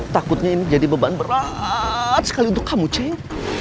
takutnya ini jadi beban berat sekali untuk kamu cek